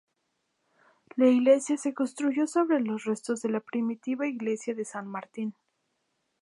La iglesia se construyó sobre los restos de la primitiva iglesia de San Martín.